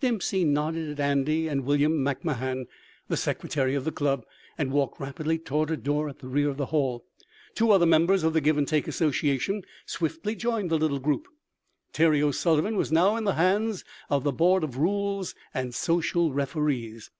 Dempsey nodded at Andy and William McMahan, the secretary of the club, and walked rapidly toward a door at the rear of the hall. Two other members of the Give and Take Association swiftly joined the little group. Terry O'Sullivan was now in the hands of the Board of Rules and Social Referees.